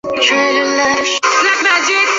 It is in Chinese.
绿艾纳香为菊科艾纳香属的植物。